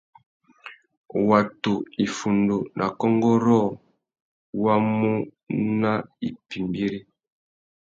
Watu iffundu nà kônkô rôō wá mú nà ipîmbîri.